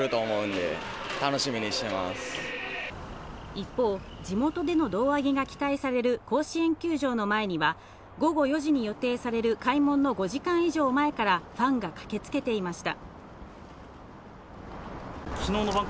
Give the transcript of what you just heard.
一方、地元での胴上げが期待される、甲子園球場の前には午後４時に予定される開門の５時間以上前からファンが駆けつけていました。